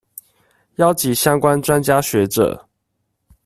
邀集相關專家學者